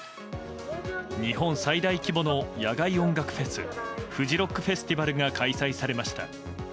日本最大規模の野外音楽フェスフジロックフェスティバルが開催されました。